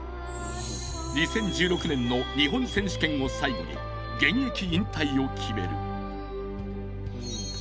２０１６年の日本選手権を最後に現役引退を決める。